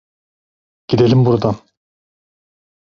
Gidelim buradan!